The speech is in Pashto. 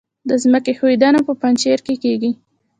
د ځمکې ښویدنه په پنجشیر کې کیږي